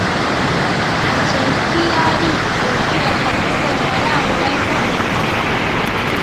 Antzerkiari begira jarriko gara oraingo honetan.